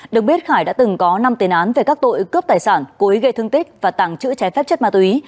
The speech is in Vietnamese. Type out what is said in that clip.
được biết khải đã từng có năm tên án về các tội cướp tài sản cố ý gây thương tích và tặng chữ trái phép chất ma túy